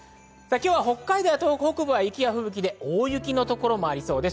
今日は北海道や東北北部は雪や吹雪で大雪なところもありそうです。